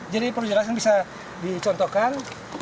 jadi perjelasan bisa dicontohkan